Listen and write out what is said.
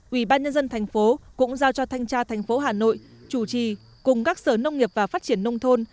ubnd tp cũng giao cho thanh tra thành phố hà nội chủ trì cùng các sở nông nghiệp và phát triển nông thôn